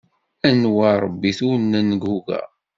Anwa arebit ur nenguga.